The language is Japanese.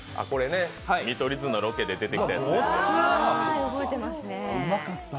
見取り図のロケで出てきたやつです。